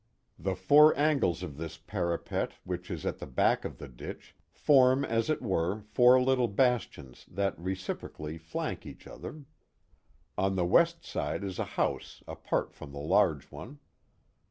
The four angles of this parapet which is at the back of the ditch, form as it were four little bastions that reciprocally flank each other. On Ihe west aide is a house apart from the large one.